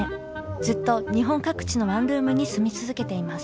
ずっと日本各地のワンルームに住み続けています。